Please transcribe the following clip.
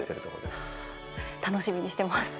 楽しみにしてます。